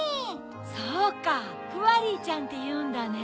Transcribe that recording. そうかフワリーちゃんっていうんだね！